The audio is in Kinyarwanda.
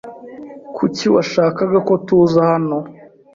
Kuki washakaga ko tuza hano?